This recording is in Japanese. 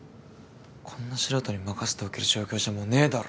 こんな素人に任せておける状況じゃもうねぇだろ。